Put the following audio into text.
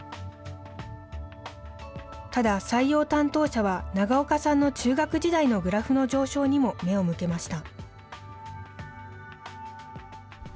ただ、採用担当者は、長岡さんの中学時代のグラフの上昇にも目を向けました。